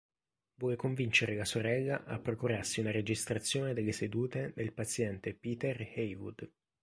Vuole convincere la sorella a procurarsi una registrazione della sedute del paziente Peter Heywood.